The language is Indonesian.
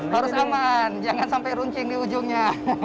harus aman jangan sampai runcing di ujungnya